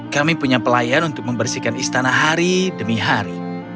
kami punya pelayan untuk membersihkan istana hari demi hari